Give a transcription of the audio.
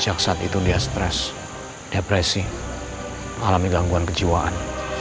sejak saat itu dia stres depresi mengalami gangguan kejiwaan